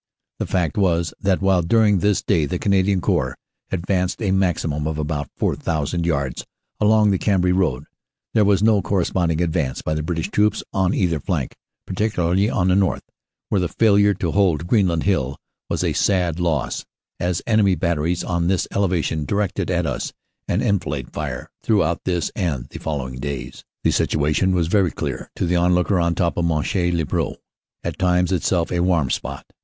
The fact was that while during this day the Canadian Corps advanced a maximum of about 4,000 yards along the 10 130 CANADA S HUNDRED DAYS Cambrai road, there was no corresponding advance by the British troops on either flank, particularly on the north, where the failure to hold Greenland Hill was a sad loss, as enemy batteries on this elevation directed at us an enfilade fire throughout this and the following days. This situation was very clear to the onlooker on top of Monchy le Preux, at times itself a warm spot.